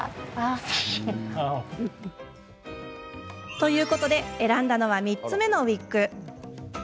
ということで選んだのは３つ目のウイッグ。